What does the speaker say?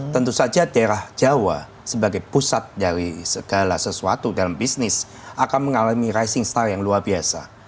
tentu saja daerah jawa sebagai pusat dari segala sesuatu dalam bisnis akan mengalami rising star yang luar biasa